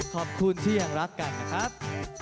ขอบคุณที่ยังรักกันนะครับ